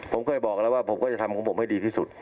ผมเคยบอกแล้วว่าผมก็จะทำของผมให้ดีที่สุด